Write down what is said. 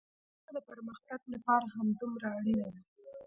سوله د پرمختګ لپاره همدومره اړينه ده.